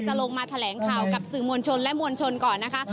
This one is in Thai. ลงมาแถลงข่าวกับสื่อมวลชนและมวลชนก่อนนะคะ